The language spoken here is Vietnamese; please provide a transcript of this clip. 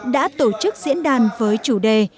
đã tổ chức diễn đàn với chủ đề